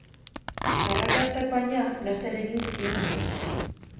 Arrakastak, baina, laster egin zion ihes.